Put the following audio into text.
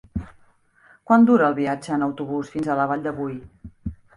Quant dura el viatge en autobús fins a la Vall de Boí?